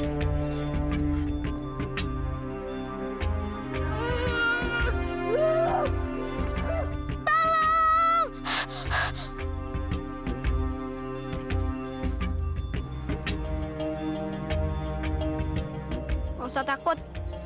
gak usah takut